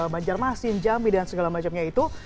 banjarmasin jambi dan segala macamnya itu